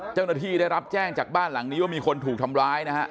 เจ้าหน้าที่ได้รับแจ้งจากบ้านหลังนี้ว่ามีคนถูกทำร้ายนะฮะ